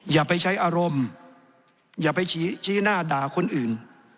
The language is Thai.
อย่าไปใช้อารมณ์อย่าไปชี้หน้าด่าคนอื่น